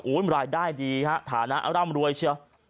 อู๋มรายได้ดีฐานะอร่ำรวยเชียว